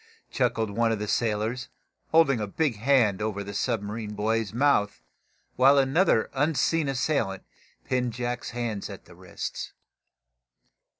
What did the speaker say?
chuckled one of the sailors, holding a big hand over the submarine boy's mouth, while another unseen assailant pinned Jack's hands at the wrists.